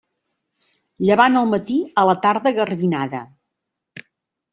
Llevant al matí, a la tarda garbinada.